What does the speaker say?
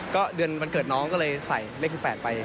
ก็เดือนวันเกิดน้องก็เลยใส่เลข๑๘ไป